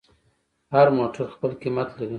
هر موټر خپل قیمت لري.